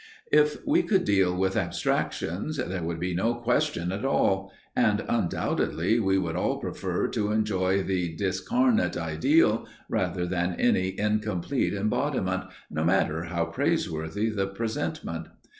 If we could deal with abstractions, there would be no question at all, and undoubtedly we would all prefer to enjoy the disincarnate ideal rather than any incomplete embodiment, no matter how praiseworthy the presentment.